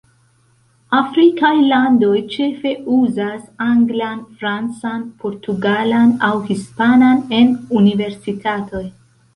Afrikaj landoj ĉefe uzas anglan, francan, portugalan, aŭ hispanan en universitatoj.